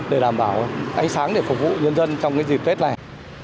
để đảm bảo ánh sáng để phục vụ nhân dân trong dịp tết này